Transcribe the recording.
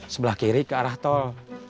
sebelah kiri ke arah tol